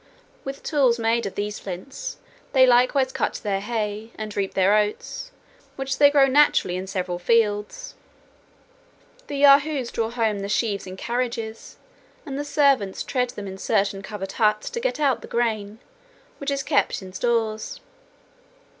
With tools made of these flints, they likewise cut their hay, and reap their oats, which there grow naturally in several fields; the Yahoos draw home the sheaves in carriages, and the servants tread them in certain covered huts to get out the grain, which is kept in stores.